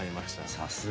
さすが。